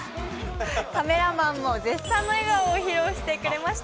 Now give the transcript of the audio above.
カメラマンも絶賛の笑顔を披露してくれました。